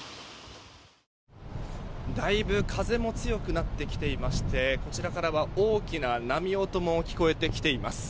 だいぶ風も強くなってきていましてこちらからは大きな波音も聞こえてきています。